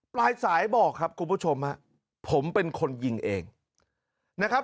ปลายสายบอกครับคุณผู้ชมฮะผมเป็นคนยิงเองนะครับ